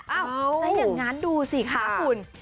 เอ้าแล้วยังงั้นดูสิค่ะคุณ